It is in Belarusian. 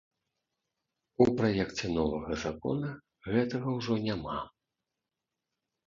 У праекце новага закона гэтага ўжо няма.